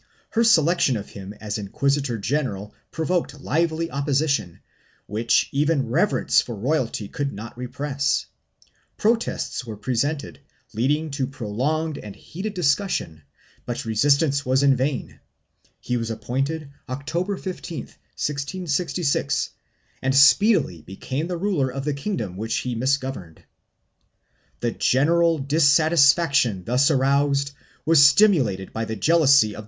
Her selection of him as inquisitor general provoked lively opposition, which even reverence for royalty could not repress; protests were presented, leading to prolonged and heated discussion, but resistance was in vain.4 He was appointed October 15, 1666, and speedily became the ruler of the kingdom which he misgoverned. The general dissatisfac tion thus aroused was stimulated by the jealousy of the f miles, 1 Cartas de Jesuitas (Mem.